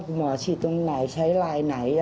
หมอฉีดตรงไหนใช้ลายไหน